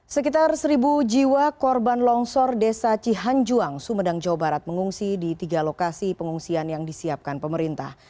sekitar seribu jiwa korban longsor desa cihanjuang sumedang jawa barat mengungsi di tiga lokasi pengungsian yang disiapkan pemerintah